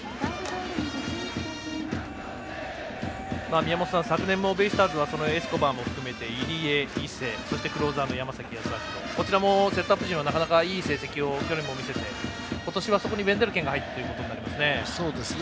宮本さん、昨年もベイスターズはエスコバーも含めて入江、伊勢クローザーの山崎康晃でこちらも、セットアップ陣はなかなかいい成績を見せてそこにウェンデルケンが入ってきたという。